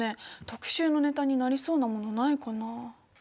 特集のネタになりそうなものないかな。